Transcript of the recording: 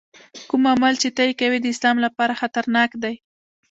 کوم عمل چې ته یې کوې د اسلام لپاره خطرناک دی.